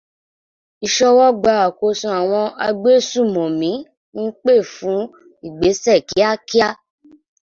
Ìsọwọ́ gba àkóso àwọn agbésùmọ̀mí ń pè fún ìgbésẹ̀ kíákíá.